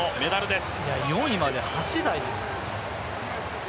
４位まで８台ですからね。